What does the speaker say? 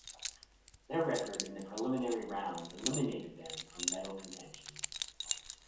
Their record in the preliminary round eliminated them from medal contention.